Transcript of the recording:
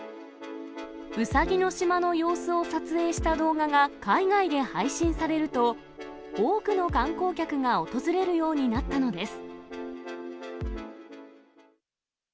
ウサギの島の様子を撮影した動画が海外で配信されると、多くの観光客が訪れるようになったのです。